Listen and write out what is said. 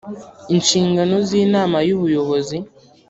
Inshingano z inama y ubuyobozi